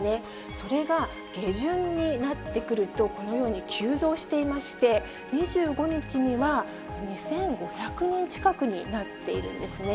それが下旬になってくると、このように急増していまして、２５日には２５００人近くになっているんですね。